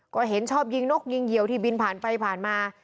ก็เห็นชอบยิงนกยิงเหี่ยวที่บินผ่านไปผ่านมา